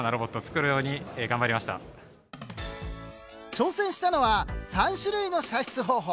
挑戦したのは３種類の射出方法。